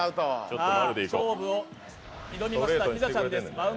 勝負を挑みましたピザちゃんです。